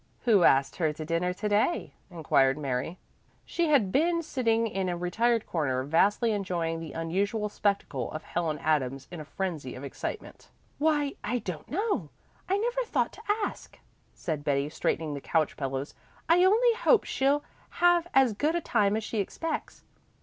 "Who asked her to dinner to day?" inquired Mary Brooks. She had been sitting in a retired corner, vastly enjoying the unusual spectacle of Helen Adams in a frenzy of excitement. "Why, I don't know. I never thought to ask," said Betty, straightening the couch pillows. "I only hope she'll have as good a time as she expects."